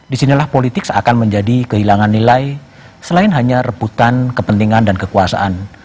disinilah politik seakan menjadi kehilangan nilai selain hanya rebutan kepentingan dan kekuasaan